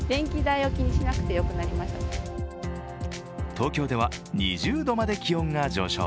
東京では２０度まで気温が上昇。